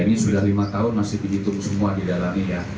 ya ini sudah lima tahun masih dihitung semua didalami ya